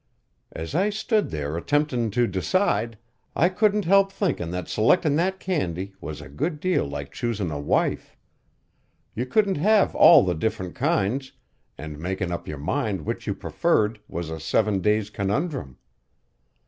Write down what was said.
As I stood there attemptin' to decide, I couldn't help thinkin' that selectin' that candy was a good deal like choosin' a wife. You couldn't have all the different kinds, an' makin' up your mind which you preferred was a seven days' conundrum."